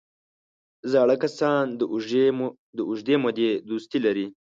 زاړه کسان د اوږدې مودې دوستي لري